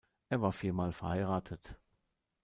Er war viermal verheiratet.